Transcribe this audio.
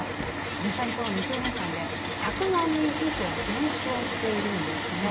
実際にこの２０年間で１００万人以上減少しているんですね。